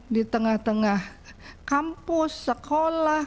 di tengah tengah kampus sekolah